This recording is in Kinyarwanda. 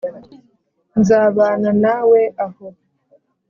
Nzabana nawe aho